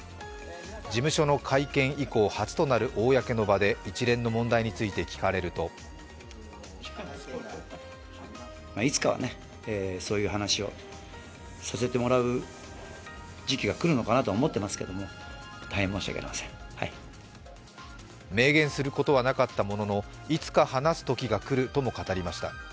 事務所の会見以降初となる公の場で一連の問題について聞かれると明言することはなかったもののいつか話すときが来るとも語りました。